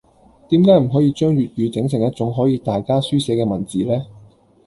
點解唔可以將粵語整成一種可以大家書寫嘅文字呢?